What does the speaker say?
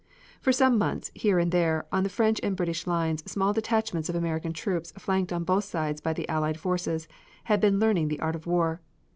For some months, here and there, on the French and British lines small detachments of American troops flanked on both sides by the Allied forces, had been learning the art of war.